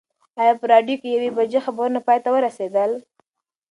ایا په راډیو کې د یوې بجې خبرونه پای ته ورسېدل؟